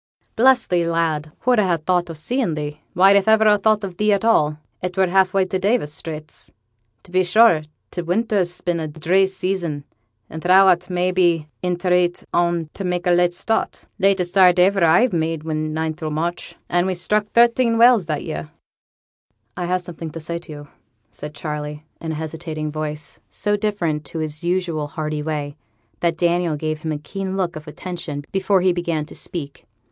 'Bless thee, lad! who'd ha' thought o' seein' thee? Why, if iver a thought on thee at all, it were half way to Davis' Straits. To be sure, t' winter's been a dree season, and thou'rt, may be, i' t' reet on 't to mak' a late start. Latest start as iver I made was ninth o' March, an' we struck thirteen whales that year.' 'I have something to say to you,' said Charley, in a hesitating voice, so different to his usual hearty way, that Daniel gave him a keen look of attention before he began to speak.